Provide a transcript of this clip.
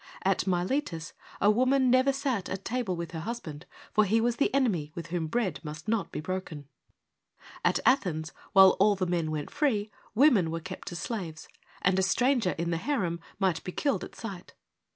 At Miletus a woman never sat at table with her husband, for he was the enemy with whom bread must not be broken ; 2 FEMINISM IN GREEK LITERATURE at Athens, while all the men went free, women were kept as slaves, and a stranger in the harem might be killed at sight.